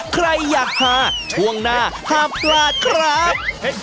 ใครอยากหาช่วงหน้าห้ามพลาดครับ